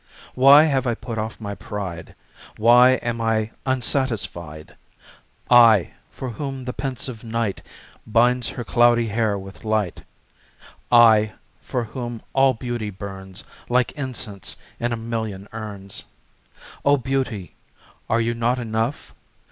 Why have I put off my pride, Why am I unsatisfied, I, for whom the pensive night Binds her cloudy hair with light, I, for whom all beauty burns Like incense in a million urns? O beauty, are you not enough?